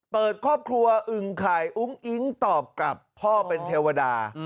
ครอบครัวอึงไข่อุ้งอิ๊งตอบกับพ่อเป็นเทวดา